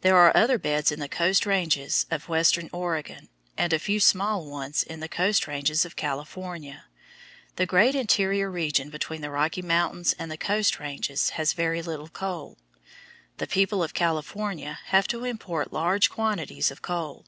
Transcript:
There are other beds in the Coast ranges of western Oregon, and a few small ones in the Coast ranges of California. The great interior region between the Rocky Mountains and the Coast ranges has very little coal. The people of California have to import large quantities of coal.